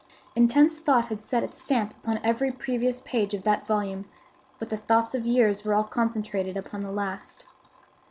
Intense thought had set its stamp upon every previous page of that volume, but the thoughts of years were all concentrated upon the last.